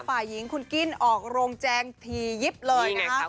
ฝ่ายหญิงคุณกิ้นออกโรงแจงถี่ยิบเลยนะคะ